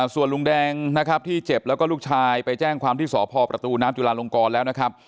ส่วนลุงแดงนะครับที่เจ็บแล้วก็ลูกชายไปแจ้งความที่สพประตูน้ำจุลาลงกรแล้วนะครับ